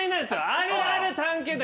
あるある探検隊！